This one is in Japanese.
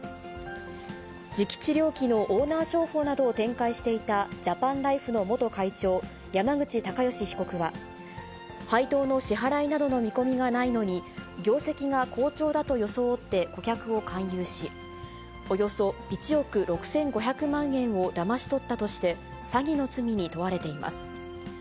磁気治療器のオーナー商法などを展開していたジャパンライフの元会長、山口隆祥被告は、配当の支払いなどの見込みがないのに、業績が好調だと装って顧客を勧誘し、およそ１億６５００万円をだまし取ったとして、詐欺の罪に問われています。